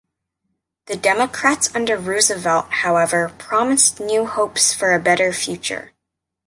The democrats under Roosevelt however promised new hopes for a better future.